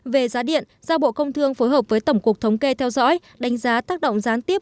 về giá điện giao bộ công thương phối hợp với tổng cục thống kê theo dõi đánh giá tác động gián tiếp